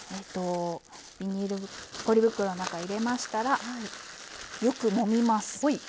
ポリ袋の中に入れましたらよくもみます。